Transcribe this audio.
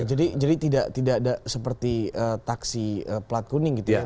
jadi tidak seperti taksi plat kuning gitu ya